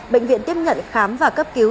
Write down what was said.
bệnh viện tiếp nhận khám và cấp cứu